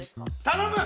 頼む！